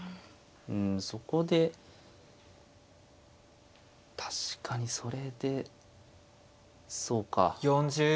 うんそこで確かにそれでそうか。